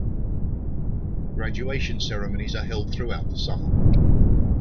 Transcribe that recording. Graduation ceremonies are held throughout the summer.